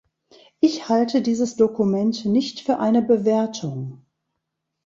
Ich halte dieses Dokument nicht für eine Bewertung.